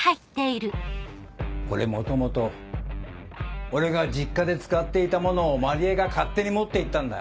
これ元々俺が実家で使っていたものを万里江が勝手に持っていったんだ。